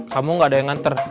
kamu gak ada yang nganter